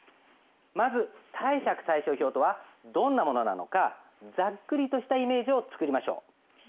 まず貸借対照表とはどんなものなのかざっくりとしたイメージをつくりましょう。